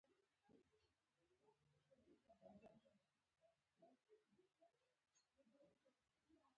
رقیب زما د فکر ځواک دی